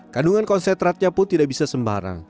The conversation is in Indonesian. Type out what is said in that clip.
kandungan konsentratnya pun tidak bisa sembarang